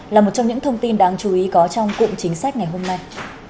là một trong những thông tin đáng chú ý có trong cụm chính sách ngày hôm nay